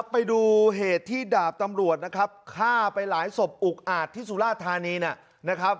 ไปดูเหตุที่ดาบตำรวจนะครับฆ่าไปหลายศพอุกอาจที่สุราธานีนะครับ